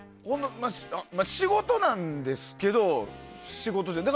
仕事なんですけど仕事じゃない。